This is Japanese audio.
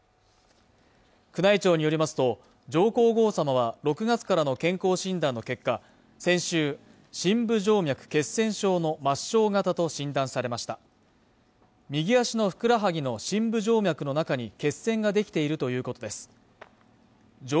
宮内庁によりますと上皇后さまは６月からの健康診断の結果先週深部静脈血栓症の末梢型と診断されました右足のふくらはぎの深部静脈の中に血栓ができているということです上